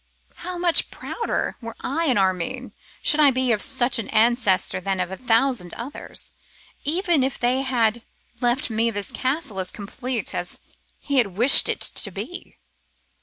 How much prouder, were I an Armine, should I be of such an ancestor than of a thousand others, even if they had left me this castle as complete as he wished it to be!